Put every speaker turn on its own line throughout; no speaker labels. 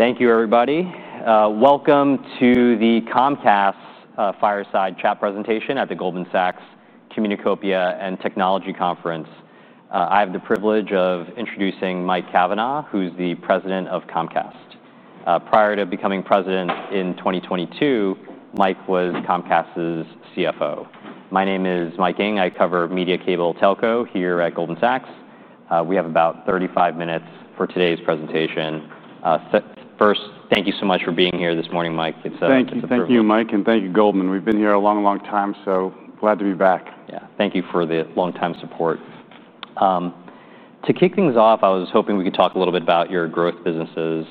Thank you, everybody. Welcome to the Comcast fireside chat presentation at the Goldman Sachs Communacopia and Technology Conference. I have the privilege of introducing Mike Cavanagh, who's the President of Comcast. Prior to becoming President in 2022, Mike was Comcast's CFO. My name is Mike Ng. I cover media, cable, telco here at Goldman Sachs. We have about 35 minutes for today's presentation. First, thank you so much for being here this morning, Mike. It's a pleasure to be here.
Thank you, Mike, and thank you, Goldman Sachs. We've been here a long, long time, so glad to be back.
Yeah, thank you for the long-time support. To kick things off, I was hoping we could talk a little bit about your growth businesses.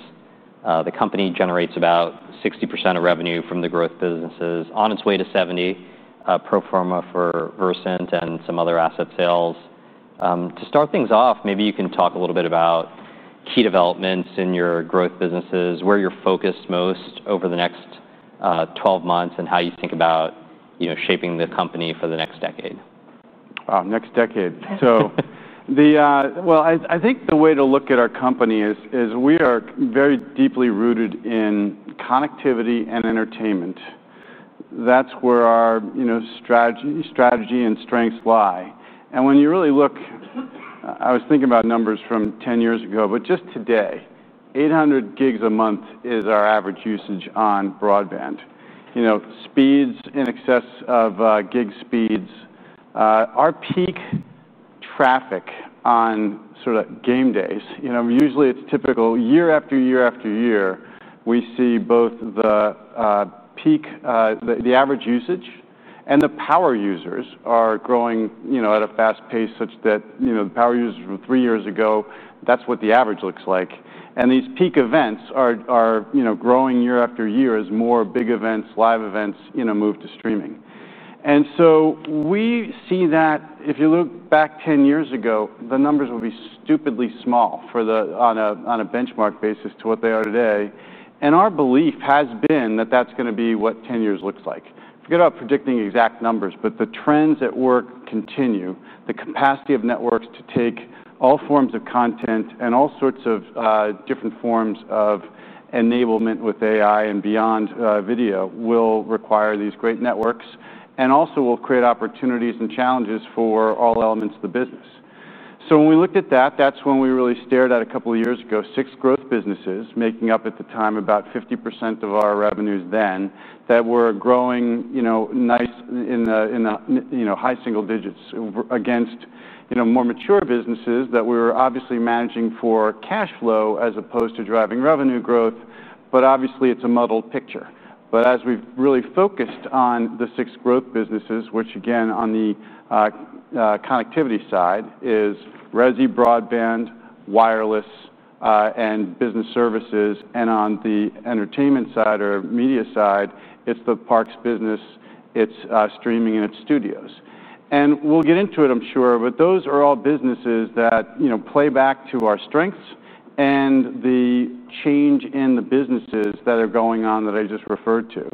The company generates about 60% of revenue from the growth businesses, on its way to 70%, pro forma for Versant and some other asset sales. To start things off, maybe you can talk a little bit about key developments in your growth businesses, where you're focused most over the next 12 months, and how you think about, you know, shaping the company for the next decade.
Wow, next decade. I think the way to look at our company is, we are very deeply rooted in connectivity and entertainment. That's where our strategy and strengths lie. When you really look, I was thinking about numbers from 10 years ago, but just today, 800 gigs a month is our average usage on broadband. Speeds in excess of gig speeds. Our peak traffic on sort of game days, usually it's typical year after year after year, we see both the peak, the average usage, and the power users are growing at a fast pace such that the power users from three years ago, that's what the average looks like. These peak events are growing year after year as more big events, live events, move to streaming. We see that if you look back 10 years ago, the numbers would be stupidly small on a benchmark basis to what they are today. Our belief has been that that's going to be what 10 years looks like. Good about predicting exact numbers, but the trends at work continue. The capacity of networks to take all forms of content and all sorts of different forms of enablement with AI and beyond, video will require these great networks and also will create opportunities and challenges for all elements of the business. When we looked at that, that's when we really stared at a couple of years ago, six growth businesses making up at the time about 50% of our revenues then that were growing nice in the high single digits against more mature businesses that we were obviously managing for cash flow as opposed to driving revenue growth. Obviously, it's a muddled picture. As we've really focused on the six growth businesses, which again, on the connectivity side is resi, broadband, wireless, and business services. On the entertainment side or media side, it's the parks business, streaming, and its studios. We'll get into it, I'm sure, but those are all businesses that play back to our strengths and the change in the businesses that are going on that I just referred to.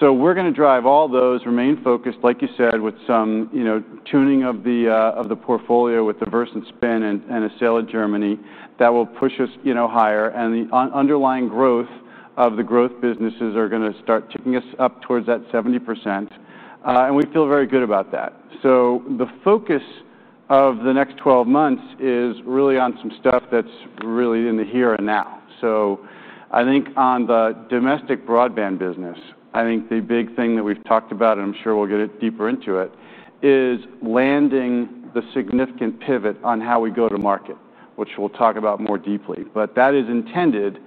We're going to drive all those, remain focused, like you said, with some tuning of the portfolio with the Versant Spin and Acela Germany that will push us higher. The underlying growth of the growth businesses are going to start taking us up towards that 70%. We feel very good about that. The focus of the next 12 months is really on some stuff that's really in the here and now. On the domestic broadband business, the big thing that we've talked about, and I'm sure we'll get deeper into it, is landing the significant pivot on how we go to market, which we'll talk about more deeply. That is intended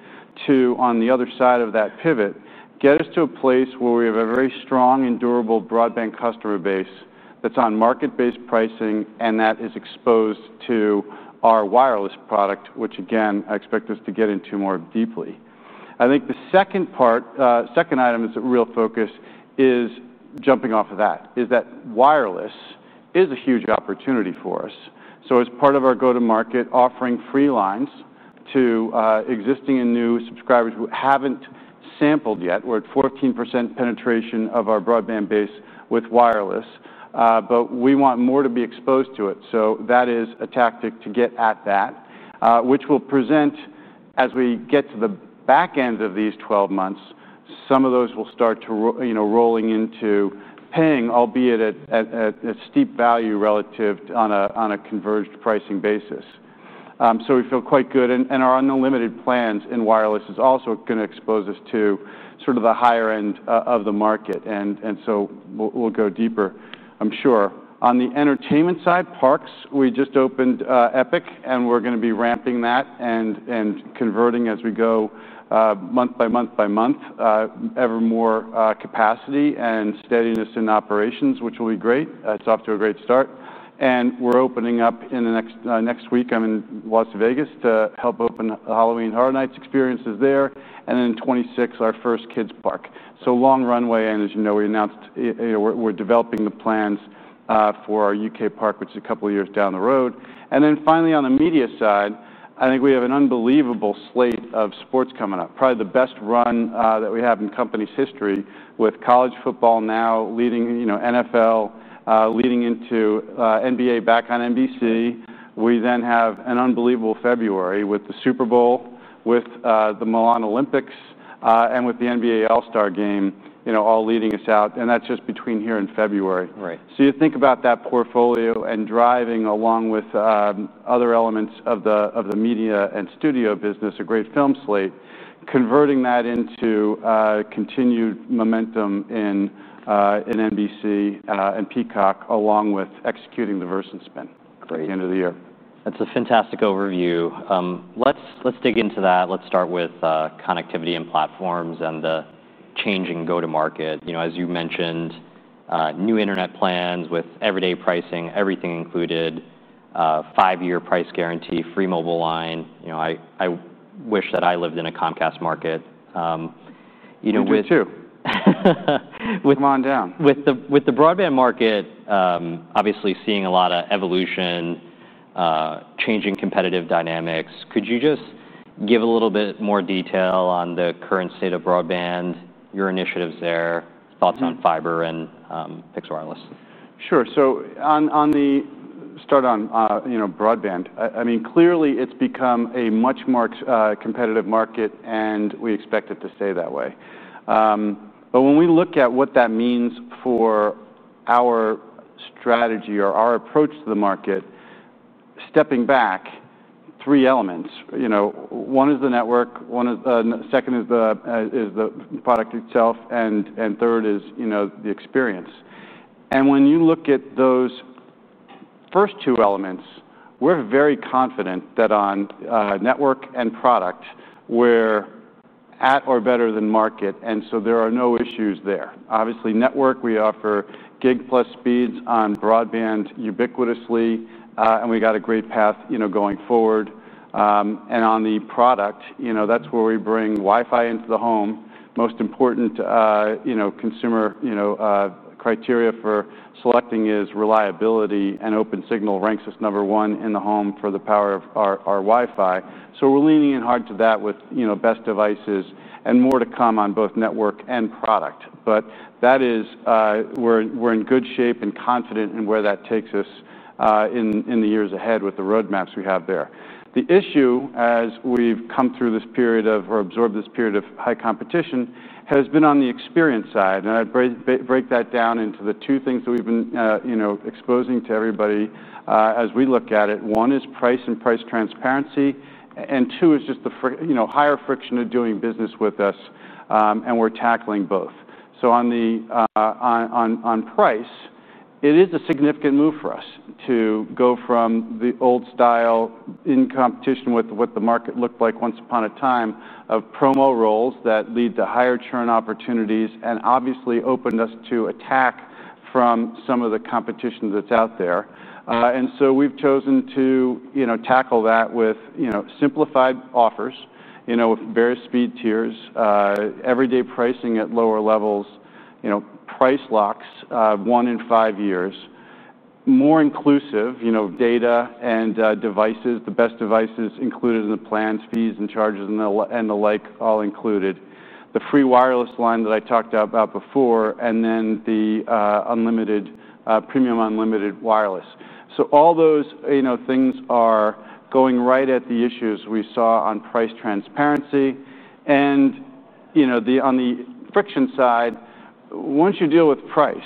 to, on the other side of that pivot, get us to a place where we have a very strong and durable broadband customer base that's on market-based pricing and that is exposed to our wireless product, which again, I expect us to get into more deeply. The second part, second item as a real focus is jumping off of that, is that wireless is a huge opportunity for us. As part of our go-to-market, offering free lines to existing and new subscribers who haven't sampled yet, we're at 14% penetration of our broadband base with wireless, but we want more to be exposed to it. That is a tactic to get at that, which will present, as we get to the back end of these 12 months, some of those will start to roll into paying, albeit at a steep value relative on a converged pricing basis. We feel quite good and our unlimited plans in wireless are also going to expose us to sort of the higher end of the market. We'll go deeper, I'm sure. On the entertainment side, parks, we just opened Epic and we're going to be ramping that and converting as we go, month by month by month, ever more capacity and steadiness in operations, which will be great. It's off to a great start. We're opening up in the next week, I'm in Las Vegas to help open Halloween Horror Nights experiences there. In 2026, our first kids' park. Long runway. As you know, we announced we're developing the plans for our UK park, which is a couple of years down the road. Finally, on the media side, we have an unbelievable slate of sports coming up. Probably the best run that we have in the company's history with college football now leading, NFL leading into NBA back on NBC. We then have an unbelievable February with the Super Bowl, the Milan Olympics, and the NBA All-Star game, all leading us out. That's just between here and February. Right.
You think about that portfolio and driving along with other elements of the media and studio business, a great film slate, converting that into continued momentum in NBC and Peacock, along with executing the Versant spin at the end of the year.
That's a fantastic overview. Let's dig into that. Let's start with connectivity and platforms and the changing go-to-market. You know, as you mentioned, new internet plans with everyday pricing, everything included, five-year price guarantee, free mobile line. I wish that I lived in a Comcast market, you know, with.
Me too.
With.
Come on down.
With the broadband market obviously seeing a lot of evolution, changing competitive dynamics, could you just give a little bit more detail on the current state of broadband, your initiatives there, thoughts on fiber and fixed wireless?
Sure. On the start on broadband, I mean, clearly it's become a much more competitive market and we expect it to stay that way. When we look at what that means for our strategy or our approach to the market, stepping back, three elements: one is the network, second is the product itself, and third is the experience. When you look at those first two elements, we're very confident that on network and product, we're at or better than market, so there are no issues there. Obviously, network, we offer gig plus speeds on broadband ubiquitously, and we got a great path going forward. On the product, that's where we bring Wi-Fi into the home. Most important consumer criteria for selecting is reliability, and Open Signal ranks us number one in the home for the power of our Wi-Fi. We're leaning in hard to that with best devices and more to come on both network and product. That is, we're in good shape and confident in where that takes us in the years ahead with the roadmaps we have there. The issue, as we've come through this period of or absorbed this period of high competition, has been on the experience side. I'd break that down into the two things that we've been exposing to everybody as we look at it. One is price and price transparency, and two is just the higher friction of doing business with us. We're tackling both. On price, it is a significant move for us to go from the old style in competition with what the market looked like once upon a time of promo rolls that lead to higher churn opportunities and obviously openness to attack from some of the competition that's out there. We've chosen to tackle that with simplified offers, with various speed tiers, everyday pricing at lower levels, price locks, one in five years, more inclusive data and devices, the best devices included in the plans, fees and charges and the like, all included. The free wireless line that I talked about before, and then the unlimited, premium unlimited wireless. All those things are going right at the issues we saw on price transparency. On the friction side, once you deal with price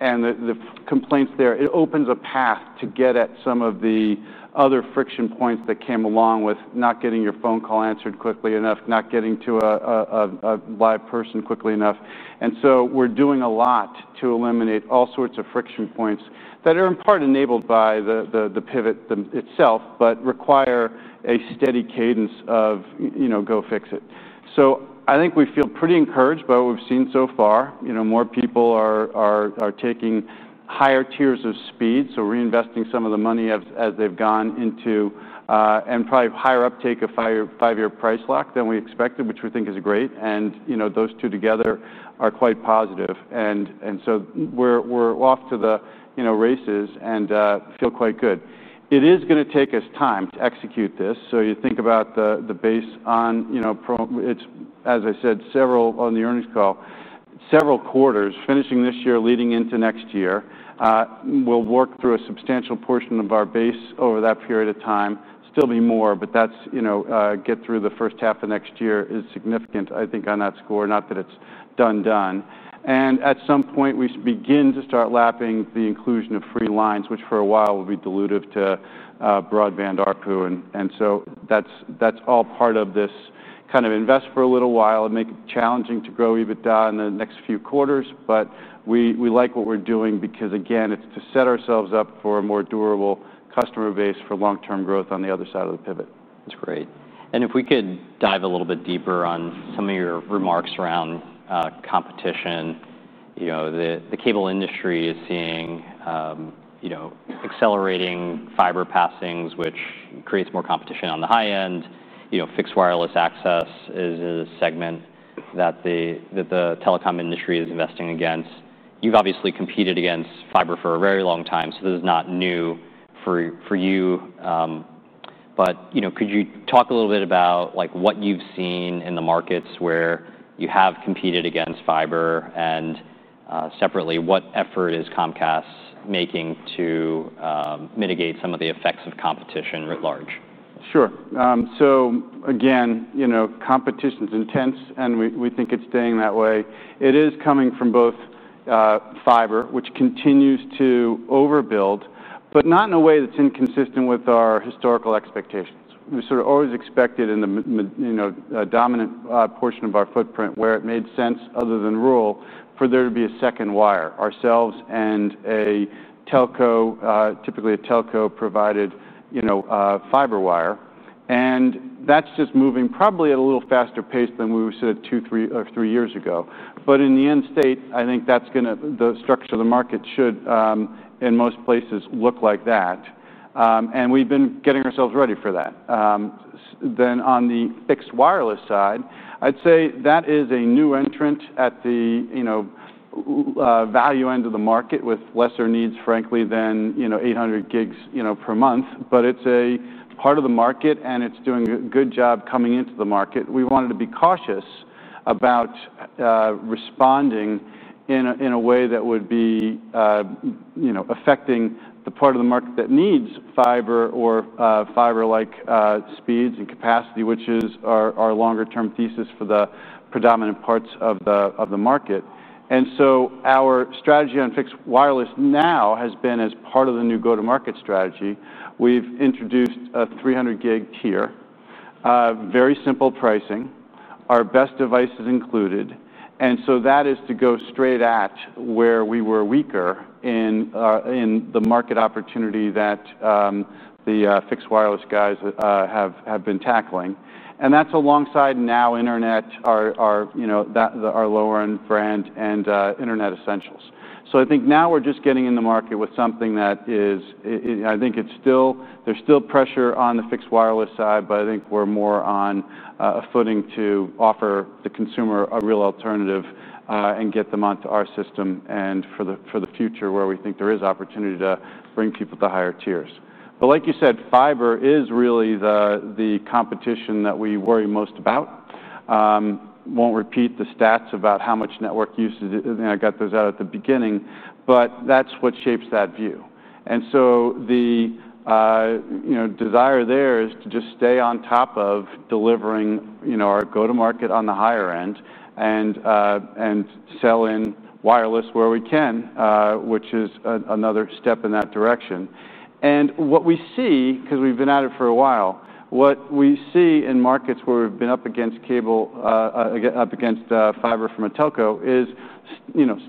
and the complaints there, it opens a path to get at some of the other friction points that came along with not getting your phone call answered quickly enough, not getting to a live person quickly enough. We're doing a lot to eliminate all sorts of friction points that are in part enabled by the pivot itself, but require a steady cadence of go fix it. I think we feel pretty encouraged by what we've seen so far. More people are taking higher tiers of speed, so reinvesting some of the money as they've gone into, and probably higher uptake of five-year price lock than we expected, which we think is great. Those two together are quite positive. We're off to the races and feel quite good. It is going to take us time to execute this. You think about the base on pro, it's, as I said on the earnings call, several quarters finishing this year, leading into next year. We'll work through a substantial portion of our base over that period of time. Still be more, but that's get through the first half of next year is significant, I think, on that score. Not that it's done. At some point, we should begin to start lapping the inclusion of free lines, which for a while will be dilutive to broadband ARPU. That's all part of this kind of invest for a little while and make it challenging to grow EBITDA in the next few quarters. We like what we're doing because, again, it's to set ourselves up for a more durable customer base for long-term growth on the other side of the pivot.
That's great. If we could dive a little bit deeper on some of your remarks around competition, the cable industry is seeing accelerating fiber passings, which creates more competition on the high end. Fixed wireless access is a segment that the telecom industry is investing against. You've obviously competed against fiber for a very long time, so this is not new for you. Could you talk a little bit about what you've seen in the markets where you have competed against fiber and, separately, what effort is Comcast making to mitigate some of the effects of competition at large?
Sure. Again, competition's intense and we think it's staying that way. It is coming from both fiber, which continues to overbuild, but not in a way that's inconsistent with our historical expectations. We sort of always expected in a dominant portion of our footprint where it made sense other than rural for there to be a second wire ourselves and a telco, typically a telco provided fiber wire. That's just moving probably at a little faster pace than we said two, three, or three years ago. In the end state, I think the structure of the market should, in most places, look like that. We've been getting ourselves ready for that. On the fixed wireless side, I'd say that is a new entrant at the value end of the market with lesser needs, frankly, than 800 gigs per month. It's a part of the market and it's doing a good job coming into the market. We wanted to be cautious about responding in a way that would be affecting the part of the market that needs fiber or fiber-like speeds and capacity, which is our longer-term thesis for the predominant parts of the market. Our strategy on fixed wireless now has been as part of the new go-to-market strategy. We've introduced a 300 gig tier, very simple pricing, our best devices included. That is to go straight at where we were weaker in the market opportunity that the fixed wireless guys have been tackling. That's alongside now internet, our lower-end brand, and Internet Essentials. I think now we're just getting in the market with something that is, I think there's still pressure on the fixed wireless side, but I think we're more on a footing to offer the consumer a real alternative and get them onto our system and for the future where we think there is opportunity to bring people to higher tiers. Like you said, fiber is really the competition that we worry most about. I won't repeat the stats about how much network usage, and I got those out at the beginning, but that's what shapes that view. The desire there is to just stay on top of delivering our go-to-market on the higher end and sell in wireless where we can, which is another step in that direction. What we see, because we've been at it for a while, what we see in markets where we've been up against cable, up against fiber from a telco is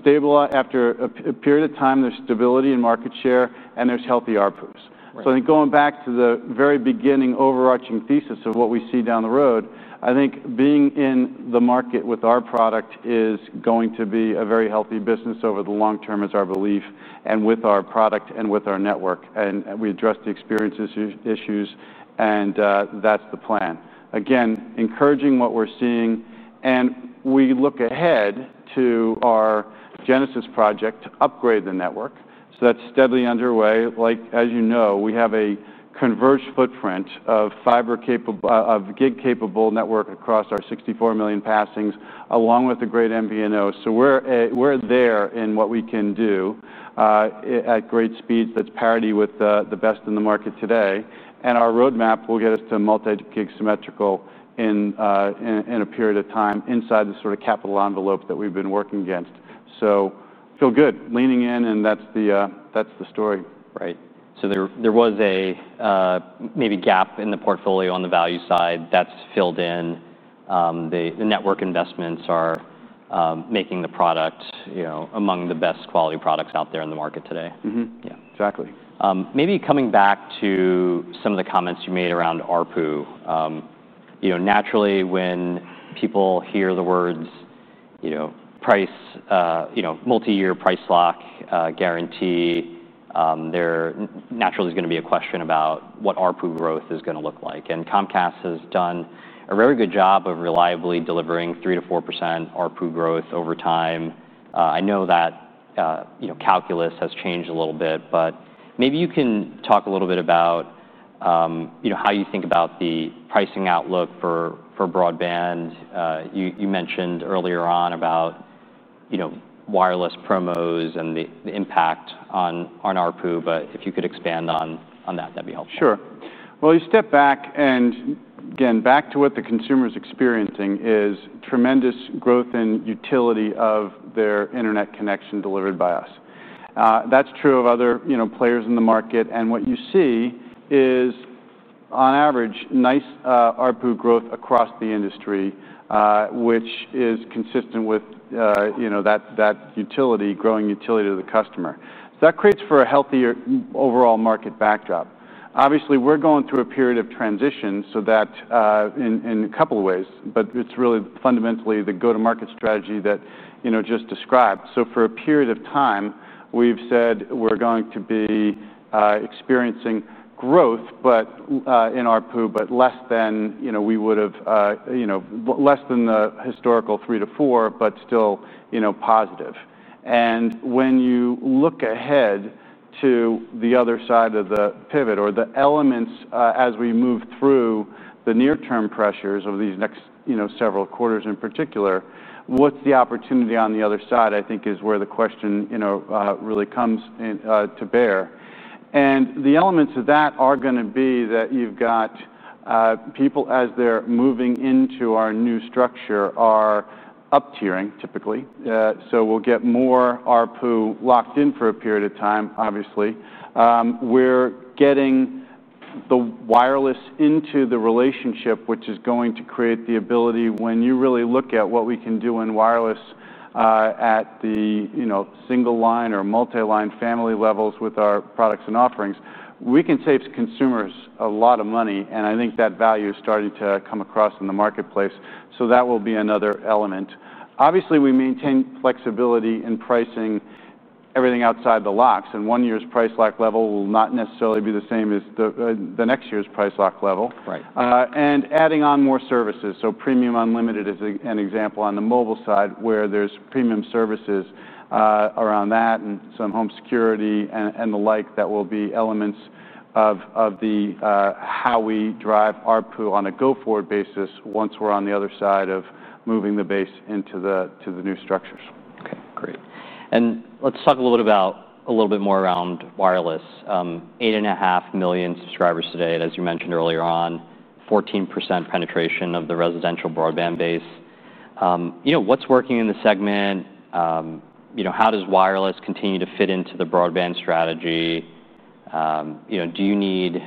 stable after a period of time, there's stability in market share and there's healthy ARPUs. I think going back to the very beginning overarching thesis of what we see down the road, I think being in the market with our product is going to be a very healthy business over the long term is our belief, and with our product and with our network, we address the experience issues, and that's the plan. Again, encouraging what we're seeing. We look ahead to our Genesis project to upgrade the network. That's steadily underway. As you know, we have a converged footprint of fiber capable, of gig capable network across our 64 million passings, along with the great MVNO. We're there in what we can do, at great speed that's parity with the best in the market today. Our roadmap will get us to multi-gig symmetrical in a period of time inside the sort of capital envelope that we've been working against. Feel good leaning in, and that's the story.
Right. There was maybe a gap in the portfolio on the value side that's filled in. The network investments are making the product, you know, among the best quality products out there in the market today.
Yeah, exactly.
Maybe coming back to some of the comments you made around ARPU. Naturally, when people hear the words price, multi-year price lock, guarantee, there naturally is going to be a question about what ARPU growth is going to look like. Comcast has done a very good job of reliably delivering 3 to 4% ARPU growth over time. I know that calculus has changed a little bit, but maybe you can talk a little bit about how you think about the pricing outlook for broadband. You mentioned earlier on about wireless promos and the impact on ARPU, but if you could expand on that, that'd be helpful.
Sure. You step back and again, back to what the consumer's experiencing is tremendous growth in utility of their internet connection delivered by us. That's true of other players in the market. What you see is, on average, nice ARPU growth across the industry, which is consistent with that growing utility to the customer. That creates a healthier overall market backdrop. Obviously, we're going through a period of transition in a couple of ways, but it's really fundamentally the go-to-market strategy that you just described. For a period of time, we've said we're going to be experiencing growth in ARPU, but less than we would have, less than the historical 3% to 4%, but still positive. When you look ahead to the other side of the pivot or the elements, as we move through the near-term pressures over these next several quarters in particular, what's the opportunity on the other side, I think, is where the question really comes in to bear. The elements of that are going to be that you've got people, as they're moving into our new structure, are up-tiering typically, so we'll get more ARPU locked in for a period of time, obviously. We're getting the wireless into the relationship, which is going to create the ability, when you really look at what we can do in wireless at the single line or multi-line family levels with our products and offerings. We can save consumers a lot of money, and I think that value is starting to come across in the marketplace. That will be another element. Obviously, we maintain flexibility in pricing. Everything outside the locks and one year's price lock level will not necessarily be the same as the next year's price lock level.
Right.
Adding on more services, premium unlimited is an example on the mobile side where there's premium services around that and some home security and the like that will be elements of how we drive ARPU on a go-forward basis once we're on the other side of moving the base into the new structures.
Okay, great. Let's talk a little bit more around wireless. Eight and a half million subscribers today, and as you mentioned earlier on, 14% penetration of the residential broadband base. You know, what's working in the segment? You know, how does wireless continue to fit into the broadband strategy? Do you need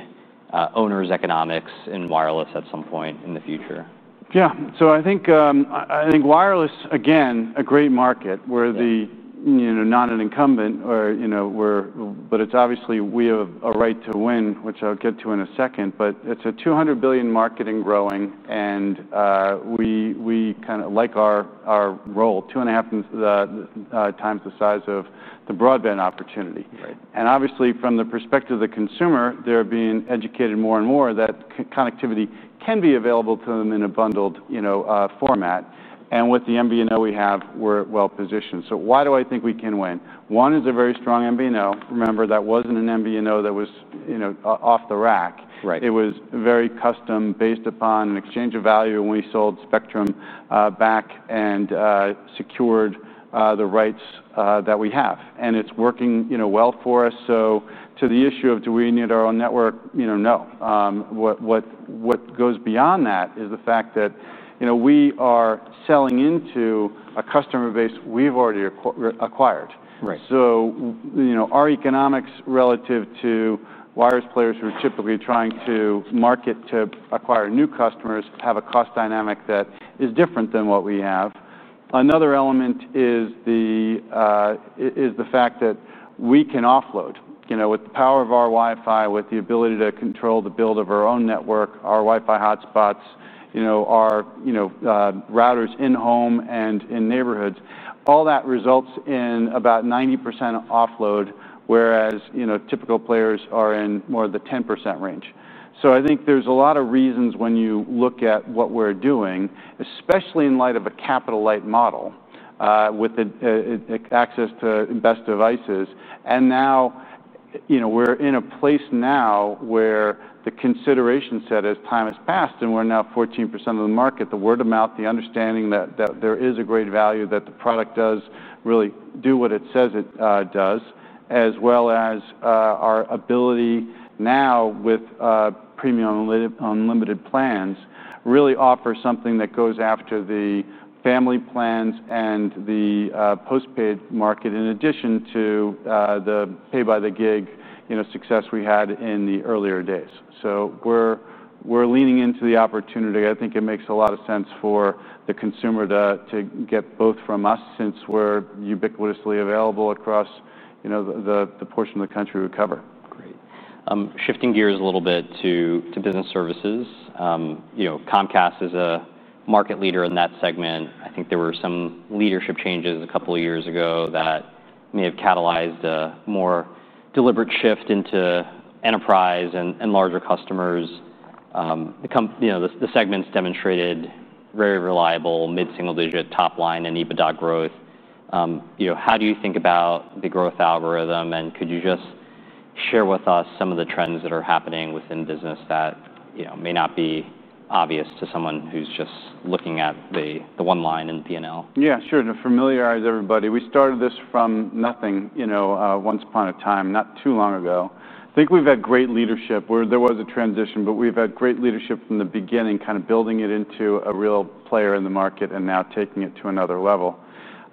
owners' economics in wireless at some point in the future?
Yeah, I think wireless, again, a great market where, you know, not an incumbent or, you know, where, but it's obviously we have a right to win, which I'll get to in a second. It's a $200 billion market and growing, and we kind of like our role, two and a half times the size of the broadband opportunity. Obviously, from the perspective of the consumer, they're being educated more and more that connectivity can be available to them in a bundled format. With the MVNO we have, we're well positioned. Why do I think we can win? One is a very strong MVNO. Remember, that wasn't an MVNO that was off the rack.
Right.
It was very custom based upon an exchange of value when we sold Spectrum back and secured the rights that we have. It's working well for us. To the issue of do we need our own network, no. What goes beyond that is the fact that we are selling into a customer base we've already acquired.
Right.
Our economics relative to wireless players who are typically trying to market to acquire new customers have a cost dynamic that is different than what we have. Another element is the fact that we can offload with the power of our Wi-Fi, with the ability to control the build of our own network, our Wi-Fi hotspots, our routers in home and in neighborhoods. All that results in about 90% offload, whereas typical players are in more of the 10% range. I think there's a lot of reasons when you look at what we're doing, especially in light of a capital light model, with access to best devices. Now we're in a place where the consideration set as time has passed and we're now 14% of the market, the word of mouth, the understanding that there is a great value, that the product does really do what it says it does, as well as our ability now with premium unlimited plans really offer something that goes after the family plans and the postpaid market in addition to the pay by the gig success we had in the earlier days. We're leaning into the opportunity. I think it makes a lot of sense for the consumer to get both from us since we're ubiquitously available across the portion of the country we cover.
Great. Shifting gears a little bit to business services. Comcast is a market leader in that segment. I think there were some leadership changes a couple of years ago that may have catalyzed a more deliberate shift into enterprise and larger customers. The company, the segment's demonstrated very reliable mid-single digit top line and EBITDA growth. How do you think about the growth algorithm, and could you just share with us some of the trends that are happening within business that may not be obvious to someone who's just looking at the one line in P&L?
Yeah, sure. To familiarize everybody, we started this from nothing, you know, once upon a time, not too long ago. I think we've had great leadership where there was a transition, but we've had great leadership from the beginning, kind of building it into a real player in the market and now taking it to another level.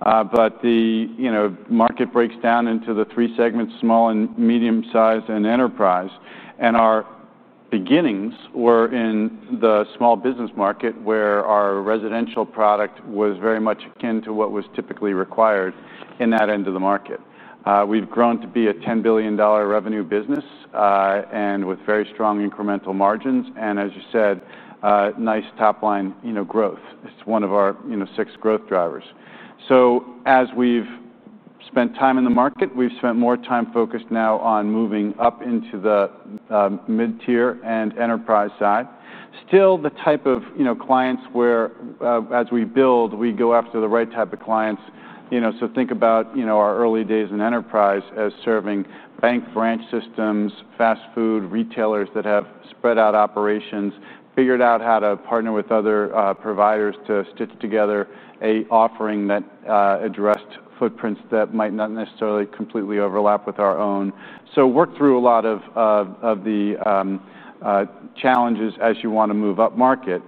The market breaks down into the three segments: small and medium size and enterprise. Our beginnings were in the small business market where our residential product was very much akin to what was typically required in that end of the market. We've grown to be a $10 billion revenue business, with very strong incremental margins. As you said, nice top line growth. It's one of our six growth drivers. As we've spent time in the market, we've spent more time focused now on moving up into the mid-tier and enterprise side. Still the type of clients where, as we build, we go after the right type of clients. Think about our early days in enterprise as serving bank branch systems, fast food retailers that have spread out operations, figured out how to partner with other providers to stitch together an offering that addressed footprints that might not necessarily completely overlap with our own. Work through a lot of the challenges as you want to move up market.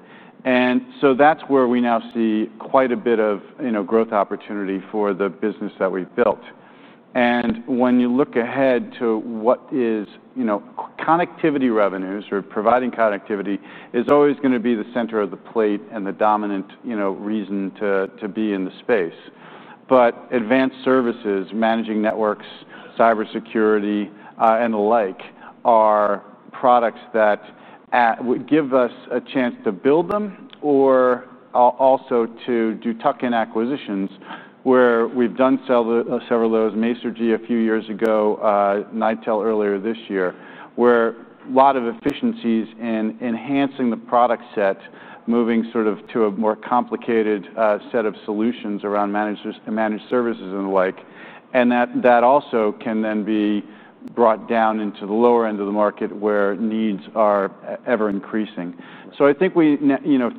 That's where we now see quite a bit of growth opportunity for the business that we've built. When you look ahead to what is connectivity revenues or providing connectivity is always going to be the center of the plate and the dominant reason to be in the space. Advanced services, managing networks, cybersecurity, and the like are products that give us a chance to build them or also to do tuck-in acquisitions where we've done several of those. MACRG a few years ago, Nitel earlier this year, where a lot of efficiencies in enhancing the product set, moving sort of to a more complicated set of solutions around managed services and the like. That also can then be brought down into the lower end of the market where needs are ever increasing. I think we,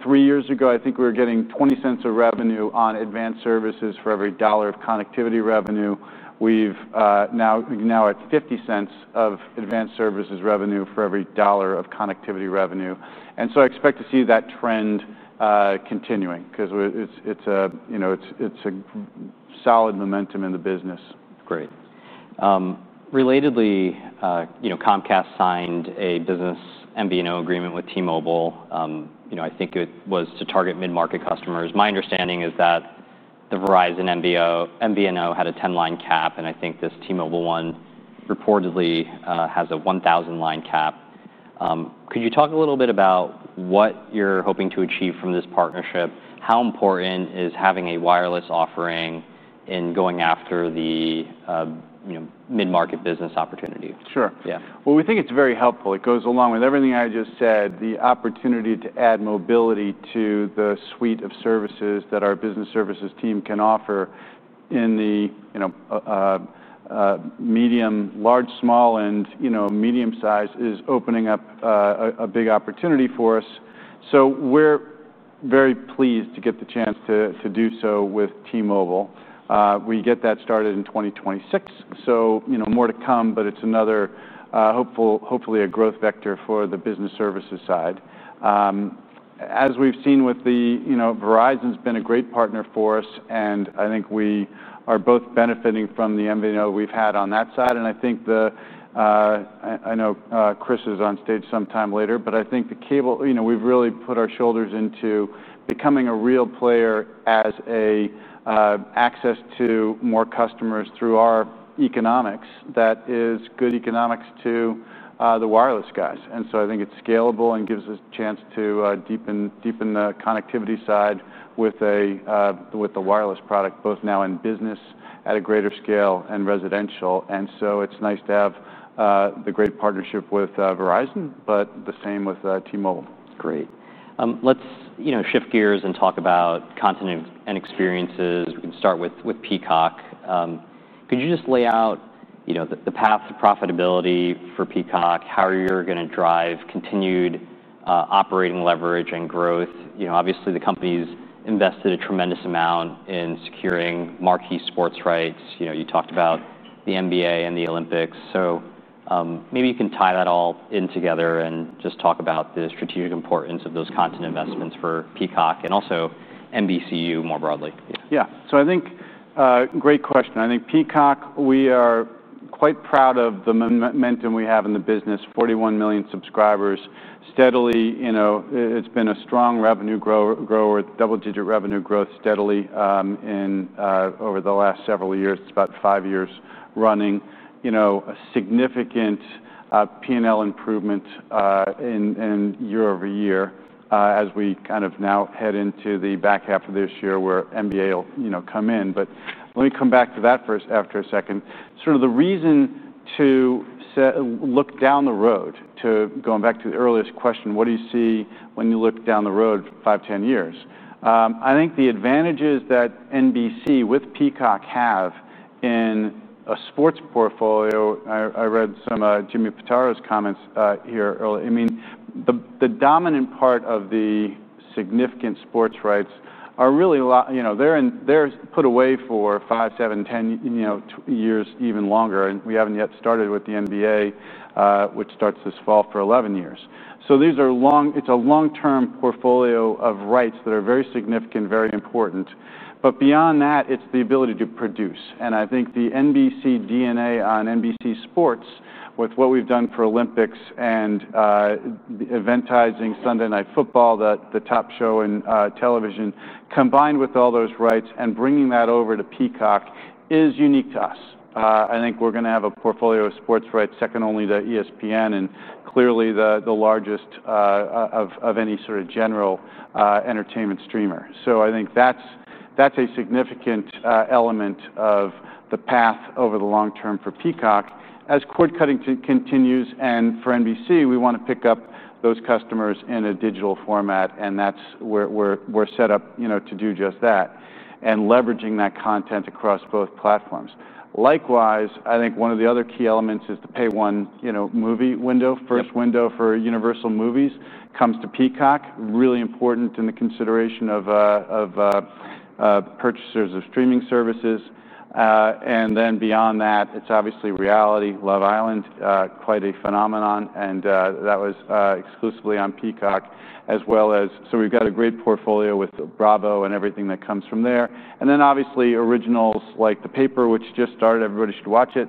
three years ago, I think we were getting $0.20 of revenue on advanced services for every dollar of connectivity revenue. We've now, now at $0.50 of advanced services revenue for every dollar of connectivity revenue. I expect to see that trend continuing because it's a solid momentum in the business.
Great. Relatedly, Comcast signed a business MVNO agreement with T-Mobile. I think it was to target mid-market customers. My understanding is that the Verizon MVNO had a 10-line cap, and I think this T-Mobile one reportedly has a 1,000-line cap. Could you talk a little bit about what you're hoping to achieve from this partnership? How important is having a wireless offering in going after the mid-market business opportunity?
Sure.
Yeah.
It is very helpful. It goes along with everything I just said, the opportunity to add mobility to the suite of services that our business services team can offer in the medium, large, small, and medium size is opening up a big opportunity for us. We are very pleased to get the chance to do so with T-Mobile. We get that started in 2026. More to come, but it's another, hopefully a growth vector for the business services side. As we've seen with the, you know, Verizon's been a great partner for us, and I think we are both benefiting from the MVNO we've had on that side. I know Chris is on stage sometime later, but I think the cable, we've really put our shoulders into becoming a real player as access to more customers through our economics that is good economics to the wireless guys. I think it's scalable and gives us a chance to deepen the connectivity side with the wireless product, both now in business at a greater scale and residential. It's nice to have the great partnership with Verizon, but the same with T-Mobile.
Great. Let's shift gears and talk about content and experiences. We can start with Peacock. Could you just lay out the path to profitability for Peacock? How are you going to drive continued operating leverage and growth? Obviously, the company's invested a tremendous amount in securing marquee sports rights. You talked about the NBA and the Olympics. Maybe you can tie that all in together and just talk about the strategic importance of those content investments for Peacock and also NBCUniversal more broadly.
Yeah. I think, great question. I think Peacock, we are quite proud of the momentum we have in the business, 41 million subscribers. Steadily, you know, it's been a strong revenue growth, double-digit revenue growth steadily, over the last several years. It's about five years running. A significant P&L improvement year over year, as we now head into the back half of this year where NBA will come in. Let me come back to that after a second. The reason to look down the road, to going back to the earliest question, what do you see when you look down the road, five, ten years? I think the advantages that NBC with Peacock have in a sports portfolio, I read some of Jimmy Pitaro's comments here early. The dominant part of the significant sports rights are really a lot, you know, they're put away for five, seven, ten years, even longer. We haven't yet started with the NBA, which starts this fall for 11 years. These are long, it's a long-term portfolio of rights that are very significant, very important. Beyond that, it's the ability to produce. I think the NBC DNA on NBC Sports with what we've done for Olympics and eventizing Sunday Night Football, the top show in television, combined with all those rights and bringing that over to Peacock is unique to us. I think we're going to have a portfolio of sports rights second only to ESPN and clearly the largest of any sort of general entertainment streamer. I think that's a significant element of the path over the long term for Peacock as cord cutting continues. For NBC, we want to pick up those customers in a digital format. That's where we're set up to do just that and leveraging that content across both platforms. Likewise, I think one of the other key elements is the pay one movie window, first window for Universal Movies, comes to Peacock, really important in the consideration of purchasers of streaming services. Beyond that, it's obviously reality, Love Island, quite a phenomenon. That was exclusively on Peacock as well as, so we've got a great portfolio with Bravo and everything that comes from there. Obviously originals like The Paper, which just started, everybody should watch it.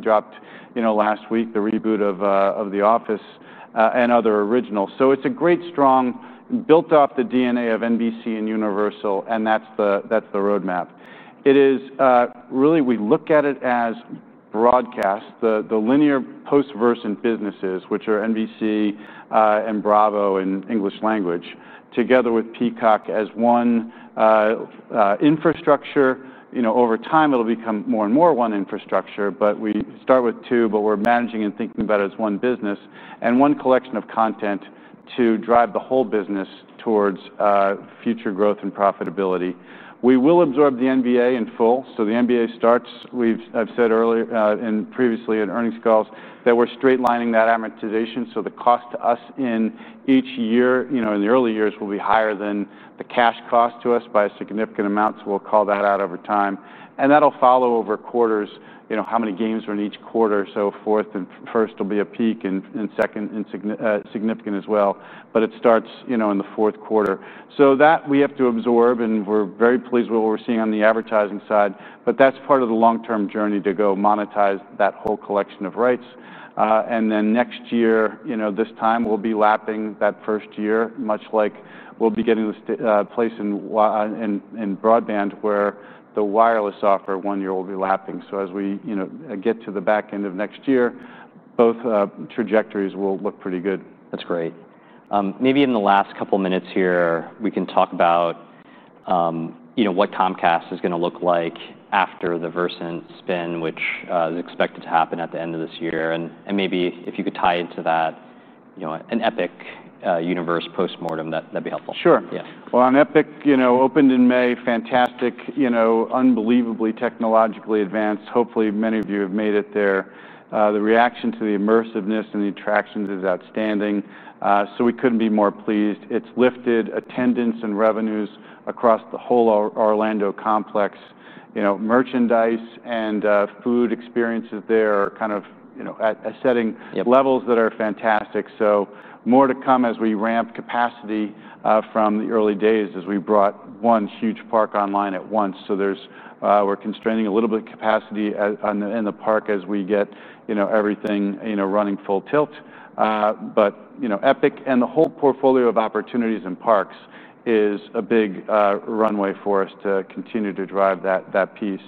Dropped last week, the reboot of The Office, and other originals. It's a great strong built off the DNA of NBC and Universal. That's the roadmap. It is, really, we look at it as broadcast, the linear post-Versant businesses, which are NBC and Bravo in English language, together with Peacock as one infrastructure. Over time, it'll become more and more one infrastructure, but we start with two, but we're managing and thinking about it as one business and one collection of content to drive the whole business towards future growth and profitability. We will absorb the NBA in full. The NBA starts, I've said earlier and previously in earnings calls that we're straight lining that amortization. The cost to us in each year, in the early years, will be higher than the cash cost to us by a significant amount. We'll call that out over time. That'll follow over quarters, how many games were in each quarter. Fourth and first will be a peak and second, significant as well. It starts in the fourth quarter. We have to absorb that and we're very pleased with what we're seeing on the advertising side, but that's part of the long-term journey to go monetize that whole collection of rights. Next year, this time, we'll be lapping that first year, much like we'll be getting a place in broadband where the wireless offer one year will be lapping. As we get to the back end of next year, both trajectories will look pretty good.
That's great. Maybe in the last couple of minutes here, we can talk about what Comcast is going to look like after the Versant spin, which is expected to happen at the end of this year. Maybe if you could tie into that an Epic Universe postmortem, that'd be helpful.
Sure.
Yeah.
On Epic, you know, opened in May, fantastic, unbelievably technologically advanced. Hopefully, many of you have made it there. The reaction to the immersiveness and the attractions is outstanding. We couldn't be more pleased. It's lifted attendance and revenues across the whole Orlando complex. Merchandise and food experiences there are kind of, you know, at setting levels that are fantastic. More to come as we ramp capacity from the early days as we brought one huge park online at once. We're constraining a little bit of capacity in the park as we get everything running full tilt. Epic and the whole portfolio of opportunities and parks is a big runway for us to continue to drive that piece.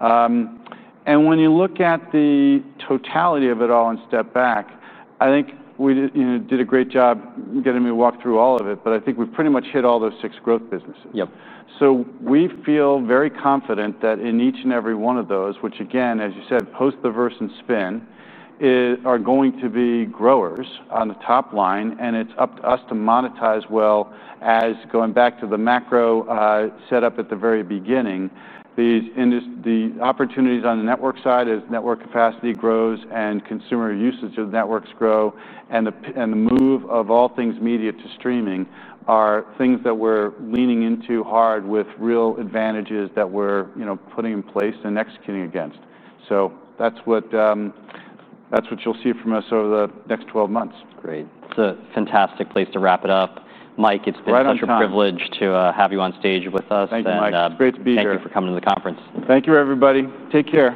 When you look at the totality of it all and step back, I think we did a great job getting me to walk through all of it, but I think we've pretty much hit all those six growth businesses.
Yep.
We feel very confident that in each and every one of those, which again, as you said, post the Versant spin, are going to be growers on the top line, and it's up to us to monetize well as going back to the macro setup at the very beginning. These opportunities on the network side as network capacity grows and consumer usage of networks grow and the move of all things media to streaming are things that we're leaning into hard with real advantages that we're putting in place and executing against. That's what you'll see from us over the next 12 months.
Great. It's a fantastic place to wrap it up. Mike, it's been such a privilege to have you on stage with us.
Thanks, Mike. Great to be here.
Thank you for coming to the conference.
Thank you, everybody. Take care.